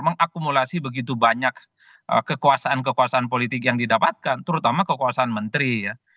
mengakumulasi begitu banyak kekuasaan kekuasaan politik yang didapatkan terutama kekuasaan menteri ya